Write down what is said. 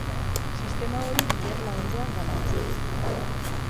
Sistema hori gerla ondoan galdu da.